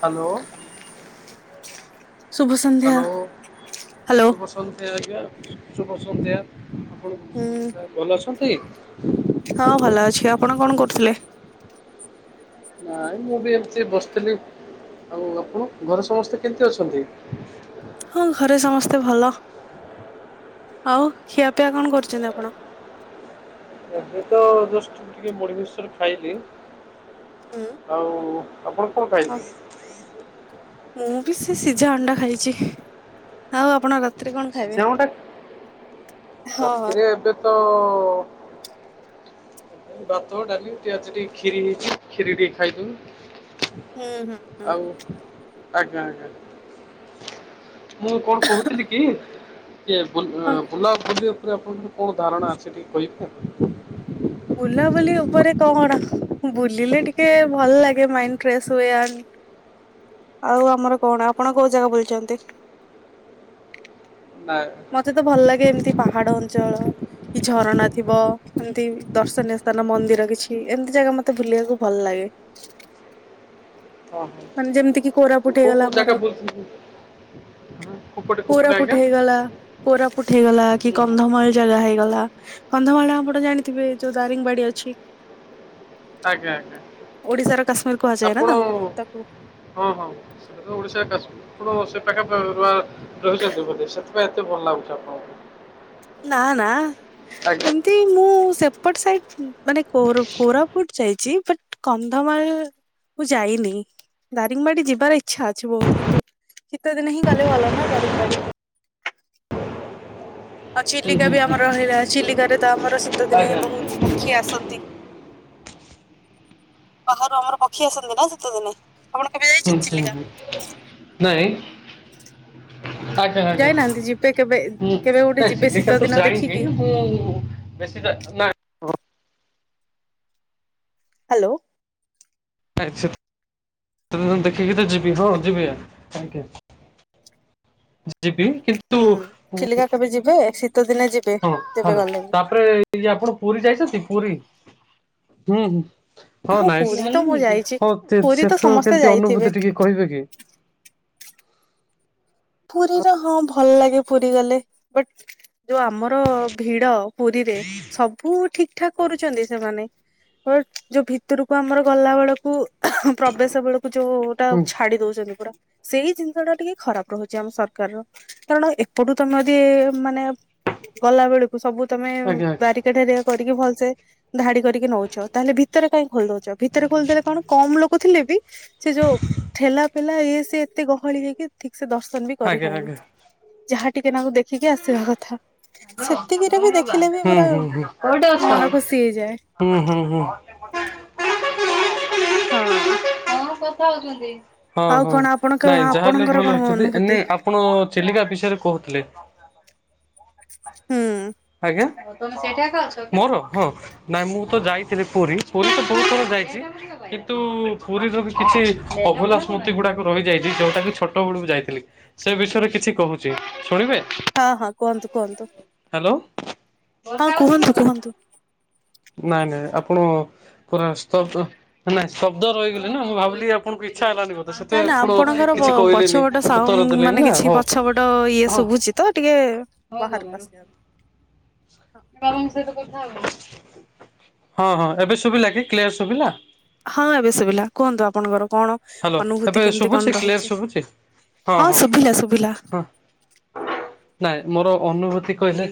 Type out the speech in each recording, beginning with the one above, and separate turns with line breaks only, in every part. Hello
ଶୁଭସନ୍ଧ୍ୟା
hello
hello
[unintelligible] ଆଜ୍ଞା ଶୁ ଶୁଭ ସନ୍ଧ୍ୟା ‌
ହୁଁ
ଆପଣ ଭଲ ଅଛନ୍ତି?
ହଁ ଭଲ ଅଛି। ଆପଣ କଣ କରୁଥିଲେ?
ନାଇଁ ମୁଁ ବି ଏମତି ବସିଥିଲି। ଆଉ ଆପଣ ଘରେ ସମସ୍ତେ କେମିତି ଅଛନ୍ତି?
ହଁ ଘରେ ସମସ୍ତେ ଭଲ ଆଉ ଖିଆପିଆ କଣ କରୁଛନ୍ତି? ଆପଣ
ଏ ତ ଜଷ୍ଟ ଟିକେ ମୁଢି ମିକ୍ସଚର ଖାଇଲି।
ହୁଁ
ଆଉ ଆପଣ କଣ ଖାଇ
ଆଉ ମୁଁ ବି ସେ ସିଝା ଅଣ୍ଡା ଖାଇଚି। ଆଉ ଆପଣ ରାତିରେ କଣ ଖାଇବେ?
ସିଝା ଅଣ୍ଡା
ହଁ ହଁ
ରାତିରେ ଏବେ ତ ଭାତ ଡାଲି ଟିକେ ଆଜି ଟିକେ କ୍ଷୀରି ହେଇଛି କ୍ଷୀରି ଟିକେ ଖାଇଦେନୁ।
ହୁଁ ହୁଁ ହୁଁ
ଆଉ ଆଜ୍ଞା ଆଜ୍ଞା ମୁଁ କଣ କହୁଥିଲି କି ଏ ବୁଲ୍
ହଁ
ବୁଲା ବୁଲି ଉପରେ ଆପଣଙ୍କର କଣ ଧାରଣା ଅଛି ଟିକେ କହିବେ?
ବୁଲାବୁଲି ଉପରେ କଣ? ବୁଲିଲେ ଟିକେ ଭଲ ଲାଗେ। ମାଇଣ୍ଡ୍ ଫ୍ରେଶ ହୁଏ। ଆନ ଆଉ ଆମର କଣ। ଆପଣ କୋଉ ଜାଗା ବୁଲଛନ୍ତି?
ନା
ମତେ ତ ଭଲ ଲାଗେ ଏମିତି ପାହାଡ ଅଞ୍ଚଳ କି ଝରଣା ଥିବ। ଏମିତି ଦର୍ଶନୀୟ ସ୍ଥାନ। ମନ୍ଦିର କିଛି ଏମିତି ଜାଗା ମତେ ବୁଲିବାକୁ ଭଲ ଲାଗେ।
ଓହୋ।
ମାନେ ଯେମିତିକି କୋରାପୁଟ ଟ
କୋଉ
ହେଇଗଲା
କୋଉ ଜାଗା
ଆମର
ବୁଲୁଛନ୍ତି କୁପଟେ କୁପଟେ ଆଜ୍ଞା
ପୁରାପୁଟ ହେଇଗଲା। କୋରାପୁଟ ହେଇଗଲା କି
ହୁଁ ହୁଁ।
କନ୍ଧମାଳ ଜାଗା ହେଇଗଲା। କନ୍ଧମାଳ ଆମ୍ବ ତ ଜାଣିଥିବେ ଯୋଉ ଦାରିଙ୍ଗବାଡି ଅଛି।
ଆଜ୍ଞା ଆଜ୍ଞା
ଓଡିଶାର କାଶ୍ମୀର କୁହାଯାଏ। ନା ତାଙ୍କ୍ ତାକୁ
ହୁଁ ହୁଁ ଏବେ ଓଡିଶା କାଶ୍ମି ଓ ସେ ପାଖେ ରହିଛନ୍ତି ବୋଧେ ସେଥିପାଇଁ ଏତେ ଭଲ ଲାଗୁଛି। ଆପଣଙ୍କ
ନା ନା
ଆଜ୍ଞା
ଏମିତି ମୁଁ ସେପଟ ସାଇଟ ମାନେ କୋରୋ କୋରାପୁଟ ଯାଇଛି। ବଟ କନ୍ଧମାଳ ମୁଁ ଯାଇନି। ଦାରିଙ୍ଗବାଡି ଯିବାର ଇଚ୍ଛା ଅଛି। ବହୁତ କିନ୍ତୁ ଶିତଦିନେ ହିଁ ଗଲେ ଭଲା ନାଁ ଦାରିଙ୍ଗବାଡ଼ି। ଉ
ହୁଁ
ଚିଲିକା
ହୁଁ
ବି
ହୁଁ।
ଆମର ରହିଲା। ଚିଲିକାରେ ତ ଆମର ଶୀତ ଦିନେ
ଆଜ୍ଞା
ବହୁତ
ହୁଁ
ପକ୍ଷୀ ଆସନ୍ତି। ବାହାରୁ ଆମର ପକ୍ଷୀ ଆସନ୍ତି। ନା ସେତେ ଦିନେ? ଆପଣ କେବେ
ହୁଁ,
ଯାଇଛନ୍ତି
ହୁଁ,
ଚିଲିକା?
ହୁଁ ନାଇଁ। ଆଜ୍ଞା
[inaudible]
ଆଜ୍ଞା
ଯାଇନାହାନ୍ତି ଯିବେ କେବେ,
ହୁଁ
କେବେ ଗୋଟେ
ନାଇଁ
ଯିବେ
ଚିଲିକା
ଶୀତ
ତ
ଦିନ
ଯାଇନି
ଦେଖିକି
ମୁଁ ବେଶୀ ତା ନାଁ
ହ୍ୟାଲୋ?
ନାଇଁ ଶୀତଦିନ ଦେଖିକି ତ ଯିବି, ହଁ ଯିବି ଆ ଯିବି କି
ହୁଁ ଚିଲିକା କେବେ ଯିବେ, ଶୀତ ଦିନେ ଯିବେ, ଯେବେ ଗଲେ ବି
ଇ ଆପଣ ପୁରୀ ଯାଇଛନ୍ତି? ପୁରୀ? ହୁଁ ହୁଁ ହଁ
ପୁରୀ ତ ମୁଁ
ନାଇଁ
ଯାଇଛି।
ହଁ
ପୁରୀ ତ
ସେଠୁ
ସମସ୍ତେ
କେମତି
ଯାଇଥିବେ
ଅନୁଭୂତି ଟିକେ କହିବେ କି?
ପୁରୀର ହଁ ଭଲ ଲାଗେ, ପୁରୀ ଗଲେ, ବଟ ଯୋଉ ଆମର ଭିଡ ପୁରୀରେ ସବୁ ଠିକ ଠାକ୍ କରୁଛନ୍ତି ସେମାନେ। ହ ଯୋଉ ଭିତରକୁ ଆମର ଗଲା ବେଳକୁ, ପ୍ରବେଶ ବେଳକୁ ଯୋଉ
ହୁଁ
ଛାଡି ଦଉଛନ୍ତି ପୁରା, ସେଇ ଜିନିଷ ଟା ଟିକେ ଖରାପ ରହୁଛି। ଆମ ସରକାରର କାରଣ ଏପଟୁ ତମେ ଯଦି ମାନେ ଗଲାବେଲକୁ ସବୁ ତମେ
ଆଜ୍ଞା ଆଜ୍ଞା।
ବାରିକା ଢେରିଆ କରିକି ଭଲସେ ଧାଡି କରିକି ନଉଛ, ତାହେଲେ ଭିତରେ କାହିଁ ଖୋଲିଦଉଛ, ଭିତରେ ଖୋଲିଦେଲେ କଣ କମ୍ ଲୋକ ଥିଲେ ବି ସେ ଯୋଉ ଠେଲା ଫେଲା ଇଏ ସେ ଏତେ ଗହଳି ହେଇକି ଠିକ ସେ ଦଶ ବି କରି
ଆଜ୍ଞା
ହଉନି
ଆଜ୍ଞା
ଯାହା ଟିକେ ନାକୁ ଦେଖିକି ଆସିବା କଥା। ସେତିକିରେ ବି ଦେଖିଲେ ବି
ହୁଁ
ପୁରା
ହୁଁ ହୁଁ।
ମନ ଖୁସି ହେଇଯାଏ।
ହୁଁ ହୁଁ ହୁଁ
ହଁ
କଣ ହଁ
ଆଉ
ହଁ
କଣ ଆପଣଙ୍କ
ନାଇଁ ଯାହାଲେ
ଆପଣଙ୍କର
ଭଲ
କଣ
ହଉଛନ୍ତି
ଅନୁଭୂତି
ଏ ଆପଣ ଚିଲିକା ବିଷୟରେ କହୁଥିଲେ।
ହୁଁ
ଆଜ୍ଞା ମୋର ହଁ ନାଇଁ ମୁଁ ତ ଯାଇଥିଲି ପୁରୀ, ପୁରୀ ତ ବହୁତ ଥର ଯାଇଛି। କିନ୍ତୁ, ପୁରୀ ର ବି କିଛି ଅଭୋଲା ସ୍ମୃତି ଗୁଡାକ ରହିଯାଇଛି ଯୋଉଟା କି ଛୋଟ ବଳକୁ ଯାଇଥିଲି। ସେ ବିଷୟରେ କିଛି କହୁଛି, ଶୁଣିବେ?
ହଁ ହଁ, କୁହନ୍ତୁ କୁହନ୍ତୁ।
ହ୍ୟାଲୋ
ହଁ
ନାଇଁ
କୁହନ୍ତୁ କୁହନ୍ତୁ।
ନାଇଁ ଆପଣ ପୁରା ସ୍ତବ୍ଦ ନାଁ ଶବ୍ଦ ରହିଗଲି ନା, ମୁଁ ଭାବିଲି ଆପଣଙ୍କୁ ଇଚ୍ଛା ହେଲାନି ବୋଧେ
ନା
ସେଥିପାଇଁ
ନା
ଆପଣ
ଆପଣଙ୍କର
କିଛି କହିଲେନି
ପଛପଟ
ଉତ୍ତର
ସାଣ୍ଡ
ଦେଲେନି
ମାନେ
ନା
କିଛି
ହଉ
ପଛପଟ ଇଏ
ହଁ।
ଶୁଭୁଛି ତ ଟିକେ
ହଉ ବାବା
ବାହାର
ରୁହ
କସିବା
ହଁ ହଁ ଏବେ ଶୁଭିଲା କି? କ୍ଲିୟର ଶୁଭିଲା
ହଁ ଏବେ ଶୁଭିଲା। କୁହନ୍ତୁ ଆପଣଙ୍କର କଣ
ହ୍ୟାଲୋ ଏବେ
ଅନୁଭୂତି କେମିତି
ଶୁଭୁଛି
କଣ
କ୍ଲିୟର
ରହିଛି।
ଶୁଭୁଛି
ହଁ ଶୁଭିଲା ଶୁଭିଲା
ହଁ ନାଇଁ ମୋର ଅନୁଭୂତି କହିଲେ,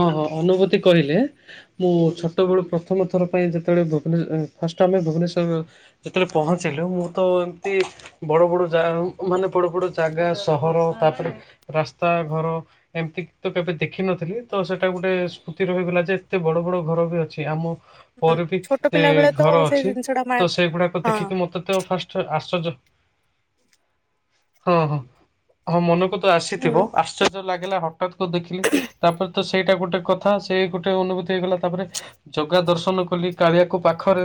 ହଁ ହଁ ଅନୁଭୂତି କହିଲେ ମୁଁ ଛୋଟ ବେଳୁ ପ୍ରଥମ ଥର ପାଇଁ ଯେତେବେଳେ ଭୁବନେଶ ଫାଷ୍ଟ ଆମେ ଭୁବନେଶ୍ଵର ଯେତେବେଳେ ପହଞ୍ଚିଲୁ, ମୁଁ ତ ଏମତି ବଡ, ବଡ ଯ ମାନେ ବଡ, ବଡ ଜାଗା ସହର ତାପରେ ରାସ୍ତା ଘର ଏମିତି ତ କେବେ ଦେଖିନଥିଲି ତ ସେଟାକୁ ଗୋଟେ ସ୍ମୁତି ରହିଗଲା ଯେ ଏତେ ବଡ ବଡ ଘର ବି ଅଛି ଆମ
ହୁଁ
ପରେ ବି
ଛୋଟ ପିଲା ବେଳେ ତ
ଘର
ସେଇ
ଅଛି,
ଜିନିଷ ଟା ମା
ତ ସେଗୁଡାକ
ହଁ
ଦେଖିକି ମତେ ତ ଫାଷ୍ଟ ଆଶର୍ଯ୍ୟ ହଁ ହଁ ହଁ ମନକୁ ତ ଆସିଥିବ
ହୁଁ
ଆଶ୍ଚର୍ଯ୍ୟ ଲାଗିଲା ହଠାତ୍ କ ଦେଖିଲି ତାପରେ ତ ସେଇଟା ଗୋଟେ ଗୋଟେ କଥା ସେ ଗୋଟେ ଅନୁଭୂତି ହେଇଗଲା ତାପରେ ଜଗା ଦର୍ଶନ କଲି କାଳିଆକୁ ପାଖରେ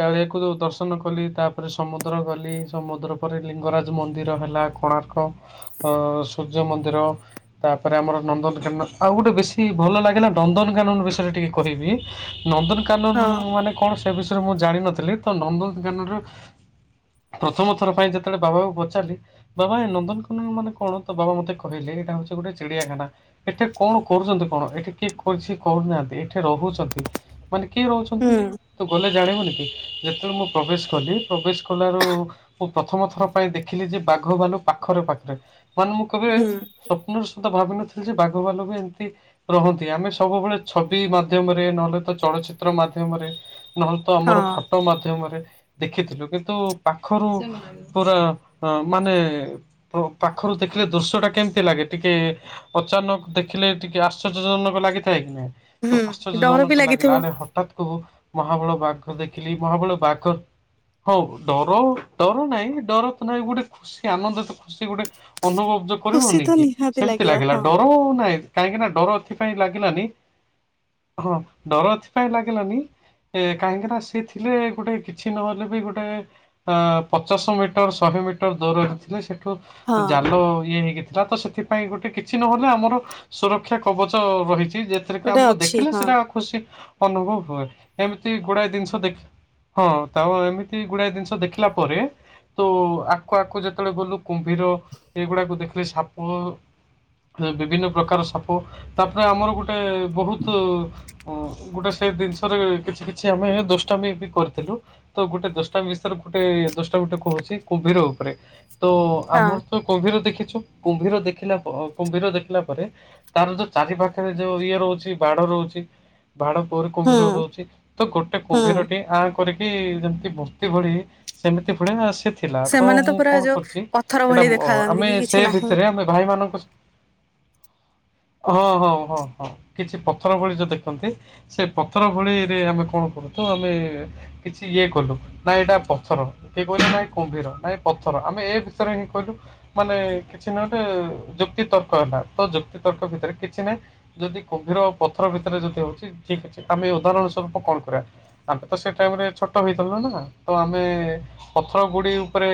କାଳିଆକୁ ଯ ଦର୍ଶନ କଲି ତାପରେ ସମୁଦ୍ର ଗଲି ସମୁଦ୍ର ପରେ ଲିଙ୍ଗରାଜ ମନ୍ଦିର ହେଲା। କଣାର୍କ ଅ ସୂର୍ଯ୍ୟ ମନ୍ଦିର ତାପରେ ଆମର ନନ୍ଦନକାନ ଆଉ ଗୋଟେ ବେଶୀ ଭଲ ଲାଗେ ନନ୍ଦନ କାନନ ବିଷୟରେ ଟିକେ କହିବି,
ହଁ
ନନ୍ଦନକାନନ ମାନେ କଣ ସେ ବିଷୟରେ ମୁଁ ଜାଣିନଥିଲି ତ, ନନ୍ଦନଗାନ ର ପ୍ରଥମ ଥର ପାଇଁ ଯେତେବେଳେ ବାବାଙ୍କୁ ପଚାରିଲି ବାବା ନନ୍ଦନକନକ ମାନେ କଣ ତ ବାବା ମତେ କହି ଲେ, ଏଇଟା ହଉଛି ଗୋଟେ ଚିଡିଆଖାନା ଏଠି କଣ କରୁଛନ୍ତି କଣ? ଏଠି କିଏ କରଛି କରୁନାହାନ୍ତି ଏଠି ରହୁଛନ୍ତି, ମାନେ କିଏ
ହୁଁ
ରହୁଛନ୍ତି? ତୁ ଗଲେ ଜାଣିବୁନି କି, ଯେତେବେଳେ ମୁଁ ପ୍ରବେଶ କଲି ପ୍ରବେଶ କଲାରୁ ମୁଁ ପ୍ରଥମ ଥର ପାଇଁ ଦେଖିଲି ଯେ ବାଘବାନୁ ପାଖରେ ପାଖରେ ମାନେ ମୁଁ କେବେ
ହୁଁ
ସ୍ୱପ୍ନରେ ସୁଧା ଭାବିିନଥିଲି ଯେ, ବାଘ ଭାଲୁ ବି ଏମିତି ରହନ୍ତି। ଆମେ ସବୁବେଳେ ଛବି ମାଧ୍ୟମରେ, ନହେଲେ ତ ଚଳଚିତ୍ର ମାଧ୍ୟମରେ ନହେଲେ ତ ଆମର
ହଁ
ଫଟୋ ମାଧ୍ୟମରେ ଦେଖିଥିଲୁ, କିନ୍ତୁ ପାଖରୁ ପୁରା ମାନେ ପାଖରୁ ଦେଖିଲେ ଦୃଶ୍ୟ ଟା କେମିତି ଲାଗେ, ଟିକେ ଅଚାନକ ଦେଖିଲେ ଟିକେ ଆଶ୍ଚର୍ଯ୍ୟଜନକ ଲାଗିଥାଏ କି ନାଇଁ? ତ
ହୁଁ ଡର
ଆଶ୍ଚର୍ଯ୍ୟଜାନକ
ବି
ଲାଗିଲା।
ଲାଗିଥିବ।
ହଠାତ୍ କୁ ମହାବଳ ବାଘ ଦେଖିଲି, ମହାବଳ ହଁ ଡର ଡର ନାଇଁ, ଡର ତ ନାହିଁ ଗୋଟେ ଖୁସି ଆନନ୍ଦ ତ ଖୁସି ଗୋଟେ ଅନୁଭବ ଯୋଉ
ଖୁସି
କରିବନି
ତ
କି
ନିହାତି
ସେମିତି
ଲାଗିବ
ଲାଗିଲା
ହଁ
ଡର ନାହିଁ। କାହିଁକି ନା ଡର ଏଥିପାଇଁ ଲାଗିଲାନି ହଁ ଡର ଏଥିପାଇଁ ଲାଗିଲାନି ଏ କାହିଁକିନା ସେ ଥିଲେ ଗୋଟେ କିଛି ନହେଲେ ବି ଗୋଟେ ଅ ପଚାଶ ମିଟର, ଶହେ ମିଟର ଦୂରରେ ଥିଲେ, ସେଠ
ହଁ
ଜାଲ ଇଏ ହେଇକିଥିଲା ତ ସେଥିପାଇଁ ଗୋଟେ କିଛି ନହେଲେ ଆମର ସୁରକ୍ଷା କବଚ ରହିଛି ଯେଥିରେ କି
ଗୋଟେ
ଆମକୁ
ଅଛି
ଦେଖିଲେ
ହଁ
ସେଇଟା ଖୁସି ଅନୁଭବ ହୁଏ, ଏମିତି ଗୁଡାଏ ଜିନିଷ ଦେଖି ହଁ ତାର ଏମିତି ଗୁଡାଏ ଜିନିଷ ଦେଖିଲା ପରେ ତ ଆକୁ ଆକୁ ଯେତେବେଳେ ଗଲୁ କୁମ୍ଭୀର ଏଗୁଡାକୁ ଦେଖିଲି ସାପ ବିଭିନ୍ନ ପ୍ରକାର ସାପ ତାପରେ ଆମର ଗୋଟେ ବହୁତୁ ଗୋଟେ ସେଇ ଜିନିଷରେ କିଛି କିଛି ଆମେ ଦୁଷ୍ଟାମି ବି କରିଥିଲୁ। ତ ଗୋଟେ ଦଶଟା ବିଷୟରେ ଗୋଟେ ଦଶଟା ଗୁଟେ କହୁଛି କୁଭୀର ଉପରେ, ତ
ହଁ।
ଆମର ତ କୁମ୍ଭୀର ଦେଖିଛୁ କୁମ୍ଭୀର ଦେଖିଲା କୁମ୍ଭୀର ଦେଖିଲା ପରେ ତାର ଯୋଉ ଚାରି ପାଖରେ ଯୋଉ ଇଏ ରହୁଛି ବାଡ ରହୁଛି। ବାଡ ପୋୀ କୁମ୍ଭୀର
ହୁଁ
ରହୁଛି ତ ଗୋଟେ
ହୁଁ
କୁମ୍ଭୀରଟି ଆଁ କରିକି ଯେମିତି ମୂର୍ତ୍ତି ଭଳି ସେମିତି ପୁଣି ଆସି ଥିବା ଥିଲା ତ,
ସେମାନେ
ମୁଁ
ପୁରା
କଣ
ଯୋଉ
କରୁଛି
ପଥର ଭଳି
ସେଟା
ଦେଖାଯାଆନ୍ତି
ଆମେ
କି କିଛି
ସେ
ନାହିଁ।
ଭିତରେ ଆମେ ଭାଇମାନଙ୍କ ହଁ ହଁ ହଁ ହଁ କିଛି ପଥର ଭଳି ଯୋଉ ଦେଖନ୍ତି ସେ ପଥର ଭଳିରେ ଆମେ କଣ କରୁଛୁ ଆମେ କିଛି ଇଏ କଲୁ। ନାଇଁ ଏଇଟା ପଥର କିଏ କହିଲେ ନାଇଁ କୁମ୍ଭୀର, ନାଇଁ ପଥର, ଆମେ ଏ ବିଷୟରେ ହିଁ କଲୁ ମାନେ କିଛି ନାହି ଗୋଟେ ଯୁକ୍ତି ତର୍କ ହେଲା, ତ ଯୁକ୍ତି ତର୍କ ଭିତରେ କିଛି ନାହିଁ ଯଦି କୁମ୍ଭୀର ପଥର ଭିତରେ ଯଦି ହଉଛି ଠିକ ଅଛି ଆମେ ଏଇ ଉଦାହରଣ ସ୍ୱରୂପ କଣ କରିବା। ଆମେ ତ ସେ ଟାଇମରେ ଛୋଟ ହେଇଥିଲୁ ନା ତ ଆମେ ପଥର ଗୁଡି ଉପରେ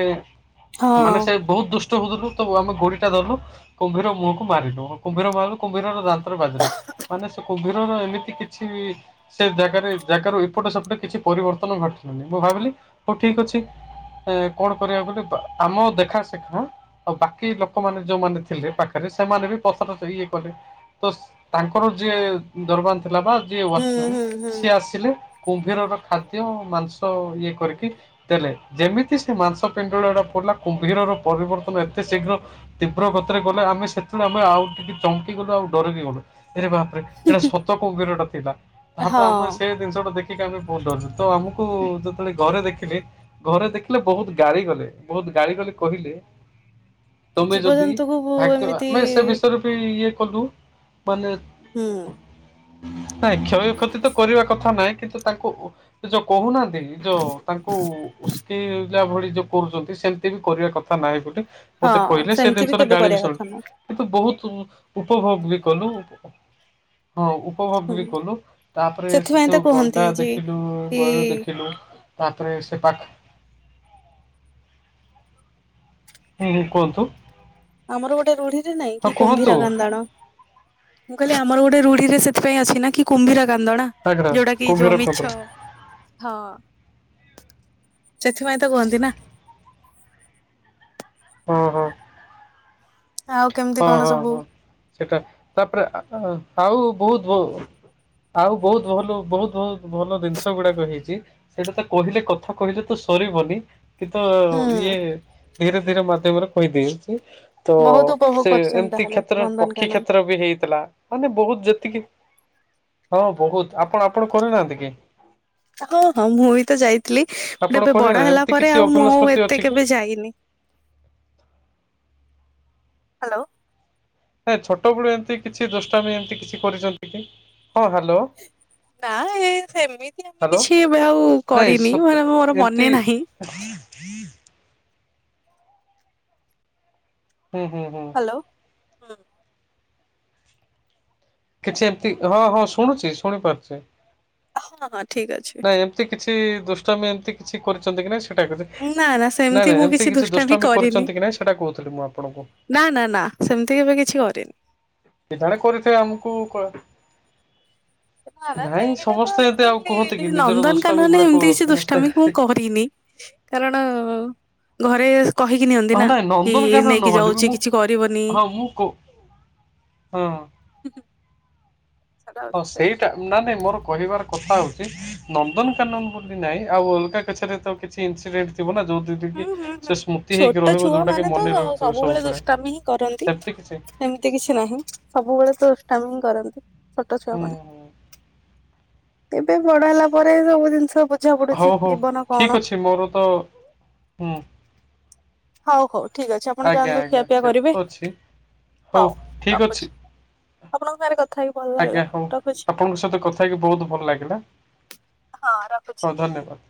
ମାନେ
ହଁ।
ସେ ବହୁତ ଦୁଷ୍ଟ ହଉଥିଲୁ ତ ଆମେ ଗୋଡିଟା ଧରିଲୁ କୁମ୍ଭୀର ମୁହକୁ ମାରିଲୁ। କୁମ୍ଭୀର ମଲ କୁମ୍ଭୀରର ଦାନ୍ତ୍ର ବାଜିଲା ମାନେ ସେ କୁମ୍ଭୀରର ଏମିତି କିଛି ସେ ଜାଗାରେ ଜାଗାରୁ ଏପଟେ ସେପଟ କିଛି ପରିବର୍ତ୍ତନ ଘଟୁନି ମୁଁ ଭାବିଲି ହଉ ଠିକ ଅଛି। କଣ କରିବା ବୋଲି ଆମ ଦେଖା ଶେଖା ଆଉ ବାକି ଲୋକମାନେ ଯୋଉମାନେ ଥିଲେ ପାଖରେ ସେମାନେ ବି [inaudible] ତାଙ୍କର ଯିଏ ଦରବାନ ଥିଲା ବା ଯିଏ
ହୁଁ
ୱାଚମ୍ମନ୍
ହୁଁ ହୁଁ
ସିଏ ଆସିଲେ। କୁମ୍ଭୀର ର ଖାଦ୍ୟ ମାଂସ ଇଏ କରିକି ଦେଲେ ଯେମିତି ସେ ମାଂସ ପିଣ୍ଡୁଳୁଡା ପଡିଲା କୁମ୍ଭୀର ର ପରିବର୍ତ୍ତନ ଏତେ ଶୀଘ୍ର ତୀବ୍ର ଗତୀରେ ଗଲା, ଆମେ ସେତବ ମେ ଆଉ ଟିକେ ଚମକି ଗଲୁ ଆଉ ଡରକି ଗଲୁ ଏ ବାପରେ, ଏଇଟା ଶତ କୁମ୍ଭୀରଟା ଥିଲା। ତାପରେ ଆମେ
ହଁ
ସେ ଜିନିଷ ଟା ଦେଖିକି ଆମେ ବହୁତ ଡରୁଛୁ, ତ ଆମକୁ ଯେତେବେଳେ ଘରେ ଦେଖିଲେ। ଘରେ ଦେଖିଲେ ବହୁତ ଗାଳି ଗଲେ ବହୁତ ଗାଳି ଗଲେ କହିଲେ। ତମେ ଯଦି
ଜୀବଜନ୍ତୁକୁ ବୁ-
ଭାଗ୍ୟ
ଏମିତି
ଆମେ ସେ ବିଷୟରେ ବି ଇଏ କଲୁ ମାନେ
ହୁଁ
ନାଇଁ କ୍ଷୟ କତି ତ କରିବା କଥା ନାହିଁ କିନ୍ତୁ ତାଙ୍କୁ ଯୋଉ କହୁନାହାନ୍ତି। ଯୋଉ ତାଙ୍କୁ ଉସ୍କିଏଇ ପିଲା ଭଳି ଯୋଉ କରୁଛନ୍ତି ସେମିତି ବି କରିବା କଥା ନାହିଁ ବୋଲି
ହଁ
ମତେ କହିଲେ ସେ
ସେମିତି
ଜିନିଷରେ
କେବେ
ଗାଳି ବି
କରିବା କଥା
ଶୁଣିଲି।
ନୁହଁ
କିନ୍ତୁ ବହୁତ ଉପଭୋଗ ବି କଲୁ ହଁ ଉପଭୋଗ
ହୁଁ
ବି କଲୁ। ତାପରେ
ସେଥିପାଇଁ ତ
ସେଠୁ
କୁହନ୍ତି
ଗଣ୍ଡା
ଯେ
ଦେଖିଲୁ
କି
ଗୈଳ ଦେଖିଲୁ ତାପରେ ସେ ପାଖ ହୁଁ ହୁଁ କୁହନ୍ତୁ।
ଆମର ଗୋଟେ ରୁଢିଟେ ନାଇଁ
ହଁ
କି କୁମ୍ଭୀରା
କୁହନ୍ତୁ
କାନ୍ଦଣା। ମୁଁ କହିଲି ଆମର ଗୋଟେ ରଢିଟେ ସେଥିପାଇଁ ଅଛିନା କି କୁମ୍ଭିର କାନ୍ଦଣା।
ଆଗ୍ରା
ଯୋଉଟା କି
କୁମ୍ଭୀର
ଯୋଉ
ଖୋଦ
ମିିଛ ହଁ। ସେଥିପାଇଁ ତ କୁହନ୍ତିନା।
ହୁଁ ହୁଁ।
ଆଉ। କେମିତି
ହଁ
କଣ
ହଁ
ସବୁ
ହଁ ସେଟା ତାପରେ ଆ ଆଉ ବହୁତ ବହୁତ ଆଉ ବହୁତ ଭଲ ବହୁତ ବହୁତ ଭଲ ଜିନିଷ ଗୁଡାକ ହେଇଛି। ସେଇଟା ତ କହିଲେ କଥା କହିଲେ ତ ସରିବନି। କିନ୍ତୁ
ହୁଁ
ଇଏ ଧୀରେ ଧୀରେ ମାଧ୍ୟମରେ କହିଦିଏ।
ବହୁତ ଉପଭୋଗ କରିଛନ୍ତି
ଏମିତି
ତାହେଲେ
କ୍ଷେତ୍ର ପକ୍ଷୀ
ନନ୍ଦନକାନନ।
କ୍ଷେତ୍ର ବି ହେଇଥିଲା ମାନେ ବହୁତ ଯେତିକି। ହଁ ବହୁତ ଆପଣ ଆପଣ କରିନାହାନ୍ତି କି।
ମୁଁ ବି ତ ଯାଇଥିଲି ବଟ
ଆପଣ
ଏବେ
କରିନା
ବଡ ହେଲା
ଏମିତି
ପରେ
କିଛି
ଆଉ ମୁଁ
ଅଭୁଲା
ଆଉ
ସ୍ମୃତି
ଏତେ
ଅଛି କି
କେବେ ଯାଇନି। ହ୍ୟାଲୋ।
ନାଇଁ ଛୋଟବେଳୁ ଏମିତି କିଛି ଦୁଷ୍ଟାମୀ ଏମିତି କିଛି କରିଛନ୍ତି କି ହଁ ହ୍ୟାଲୋ।
ନାଇଁ ସେମିତି। ସେମିତି
ହ୍ୟାଲୋ
କିଛି ଏବେ ଆଉ
ନାଇଁ
କରିନି
ସତ
ମାନ ମୋର
ଏମିତି
ମନେ ନାହିଁ।
[inaudible] ହୁଁ ହୁଁ ହୁଁ।
ହ୍ୟାଲୋ ହୁଁ।
କିଛି ଏମିତି ହଁ ହଁ ଶୁଣୁଛି ଶୁଣିପାରୁଛି।
ହଁ ହଁ ଠିକ ଅଛି।
ନାଇଁ ଏମିତି କିଛି ଦୁଷ୍ଟମି ଏମିତି କିଛି କରିଛନ୍ତି କି ନାଇଁ ସେଟା
ନା ନା
ସେଟାକୁ ନାଇଁ
ସେମିତି
ନାଇଁ
ମୁଁ
ଏମିତି କିଛି
ଦୁଷ୍ଟାମି
ଦୁଷ୍ଟ ବି
କରିନି।
କରିଛନ୍ତି କି ନାଇଁ ସେଇଟା କହୁଥିଲି ମୁଁ ଆପଣଙ୍କୁ।
ନା ନା ନା ସେମିତି କେବେ କିଛି କରିନି।
କେଯାଣି କରିଥିବେ ଆମକୁ କହି
ନା ନା ସେଇଟା ତ
ସମସ୍ତେ ଏତେ ଆଉ କୁହନ୍ତି
ଏମିତି
କି ନିଜର ଦୁଷ୍ଟାମି
ନନ୍ଦନକାନନ
ଗୁଡାକ
ଏମିତି କିଛି
ସମସ୍ତେ
ଦୁଷ୍ଟାମି ମୁଁ କରି ତିନି କାରଣ ଘରେ। କହିକି ନିଅନ୍ତି
ହଁ
ନା
ନାଇଁ
କି
ନନ୍ଦନକାନନ
ନେଇକି
ନହେଲେ ବି
ଯାଉଛି
ମୁଁ
କିଛି କରିବନି।
ହଁ ମୁଁ କ ହଁ।
ହୁଁ ହୁଁ।
ହଁ ସେଇ। ନାଇଁ ନାଇଁ ମୋର କହିବାର କଥା ହଉଛି ନନ୍ଦନକାନନ ବୋଲି ନାହିଁ ଆଉ ଅଲଗା କିଛିରେ ତ। କିଛି ଇନ୍ସିଡେଣ୍ଟ ଥିବା ନା ଯଉଠି ଯେମିତି
ହୁଁ ହୁଁ ହୁଁ।
ସେ ସ୍ମୃତି ହେଇକି
ଛୋଟ
ରହିବ
ଛୁଆ
ଯୋଉଟା କି
ମାନେ ତ
ମନେ ରହୁଥିବ ସବୁବେଳେ
ଦୁଷ୍ଟାମି ହିଁ କରନ୍ତି
ସେମିତି କିଛି।
ଏମିତି କିଛି ନାହିଁ ସବୁବେଳେ ତ ଦୁଷ୍ଟାମୀ ହିଁ କରନ୍ତି ଛୋଟ ଛୁଆ
ହୁଁ
ମାନ।
ହୁଁ।
ଏବେ ବଡ ହେଲା ପରେ ସବୁ ଜିନିଷ ବୁଝା ପଡୁଛି
ହଉ ହଉ
ଜୀବନ କଣ।
ଠିକ ଅଛି ମୋର ତ ହୁଁ।
ହଉ ହଉ ଠିକ ଅଛି ଆପଣ
ଆଜ୍ଞା
ଯାଆନ୍ତୁ
ଆଜ୍ଞା
ଖିଆପିଆ
ସେଟା
କରିବେ
ତ ଅଛି।
ହଉ
ଠିକ ଅଛି
ରଖୁଛି। ଆପଣଙ୍କ ସାଙ୍ଗରେ କଥା ହେଇକି ଭଲ ଲାଗିଲା
ଆଜ୍ଞା, ହଉ
ରଖୁଛି
ଆପଣଙ୍କ ସହିତ କଥା ହେଇକି ବହୁତ ଭଲ ଲାଗିଲା।
ହଁ ରଖୁଛି।
ହଉ ଧନ୍ୟବାଦ।